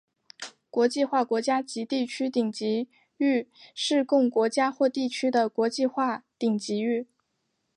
国际化国家及地区顶级域是供国家或地区的国际化顶级域。